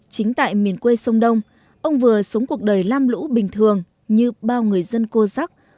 chính tại miền quê sông đông ông vừa sống cuộc đời lam lũ bình thường như bao người dân cô rắc